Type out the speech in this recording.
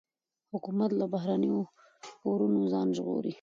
حکومت له بهرنیو پورونو ځان ژغوري.